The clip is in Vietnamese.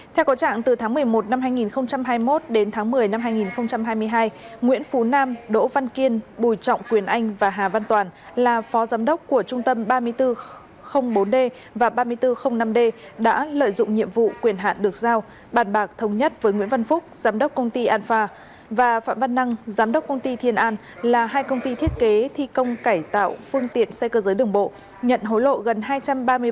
theo cầu trạng từ tháng một mươi một năm hai nghìn hai mươi một đến tháng một mươi năm hai nghìn hai mươi hai nguyễn phú nam đỗ văn kiên bùi trọng quyền anh và hà văn toàn là phó giám đốc của trung tâm ba nghìn bốn trăm linh bốn d và ba nghìn bốn trăm linh năm d đã lợi dụng nhiệm vụ quyền hạn được giao bàn bạc thống nhất với nguyễn văn phúc giám đốc công ty anpha và phạm văn năng giám đốc công ty thiên an là hai công ty thiết kế thi công cải tạo phương tiện xe cơ giới đường bộ nhận hối lộ gần hai trăm ba mươi bảy triệu đồng của một mươi hai chủ phương tiện